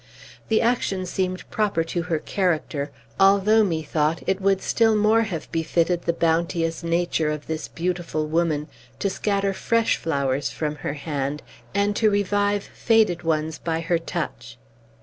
The action seemed proper to her character, although, methought, it would still more have befitted the bounteous nature of this beautiful woman to scatter fresh flowers from her hand, and to revive faded ones by her touch.